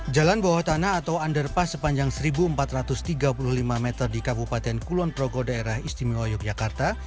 jalan bawah tanah atau underpass sepanjang seribu empat ratus tiga puluh lima meter di kabupaten kulon progo daerah istimewa yogyakarta